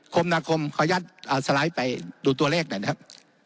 คมนาคมขออนุญาตสไลด์ไปดูตัวเลขหน่อยนะครับ